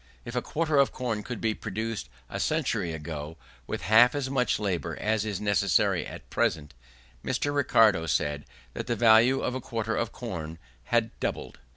If a quarter of corn could be produced a century ago with half as much labour as is necessary at present, Mr. Ricardo said that the value of a quarter of corn had doubled.